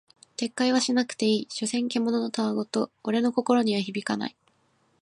撤回はしなくていい、所詮獣の戯言俺の心には響かない。